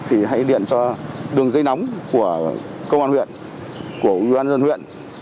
thì hãy điện cho đường dây nóng của công an huyện của ủy ban dân huyện